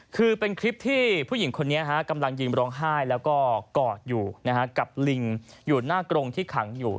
คือเป็นคลิปที่ผู้หญิงคนนี้กำลังยืนร้องไห้แล้วก็กอดอยู่กับลิงอยู่หน้ากรงที่ขังอยู่